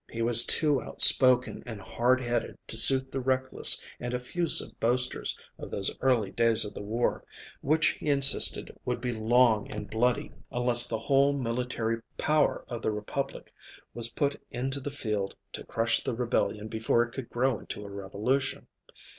He was too outspoken and hard headed to suit the reckless and effusive boasters of those early days of the war, which he insisted would be long and bloody, unless the whole military power of the Republic was put into the field to crush the rebellion before it could grow into a revolution.